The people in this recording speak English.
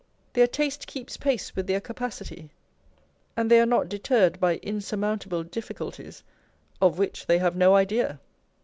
Their taste keeps pace with their capacity ; and they are not deterred by insurmount able difficulties, of which they have no idea.